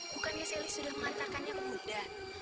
bukannya selly sudah mengantarkannya ke bunda